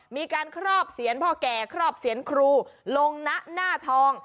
มีการครอบเสียนพ่อแก่ครอบเสียนครูลงณหน้าทอง